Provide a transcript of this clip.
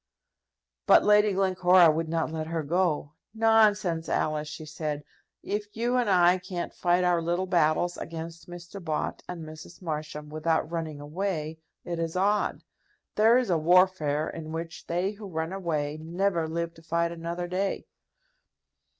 But Lady Glencora would not let her go. "Nonsense, Alice," she said. "If you and I can't fight our little battles against Mr. Bott and Mrs. Marsham without running away, it is odd. There is a warfare in which they who run away never live to fight another day."